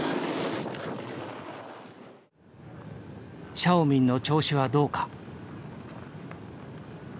シャオミンの調子はどうか。